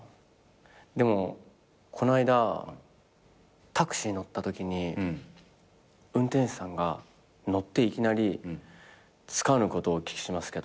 でもこの間タクシー乗ったときに運転手さんが乗っていきなり「つかぬことをお聞きしますけど」っていう。